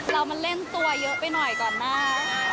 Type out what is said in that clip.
เรามาเล่นตัวเยอะไปหน่อยก่อนหน้า